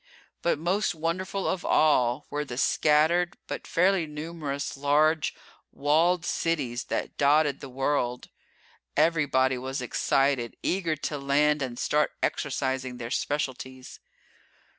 But most wonderful of all were the scattered, but fairly numerous large, walled cities that dotted the world. Everybody was excited, eager to land and start exercising their specialties.